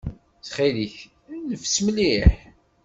Ttxil-k, neffes mliḥ.